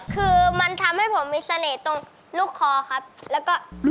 คือมันทำให้ผมมีเสน่ห์ตรงลูกคอครับแล้วก็